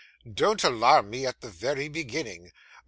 'Don't alarm me at the very beginning.